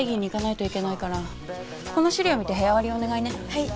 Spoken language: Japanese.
はい。